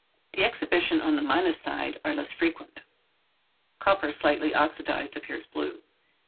The exhibitions on the minus side are less frequent. Copper slightly oxydized appears blue.